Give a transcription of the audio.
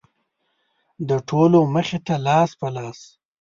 د ټولو مخې ته لاس په لاس.